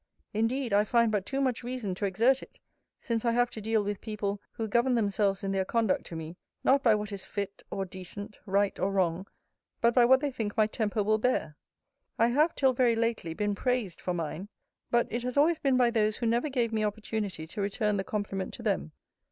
Indeed, I find but too much reason to exert it, since I have to deal with people, who govern themselves in their conduct to me, not by what is fit or decent, right or wrong, but by what they think my temper will bear. I have, till very lately, been praised for mine; but it has always been by those who never gave me opportunity to return the compliment to them.